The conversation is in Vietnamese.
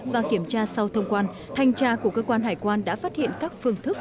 và kiểm tra sau thông quan thanh tra của cơ quan hải quan đã phát hiện các phương thức